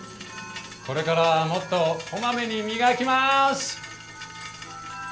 これからはもっとこまめに磨きます。